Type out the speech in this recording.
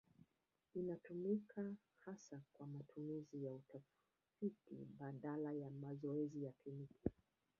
Inatumika hasa kwa matumizi ya utafiti badala ya mazoezi ya kliniki.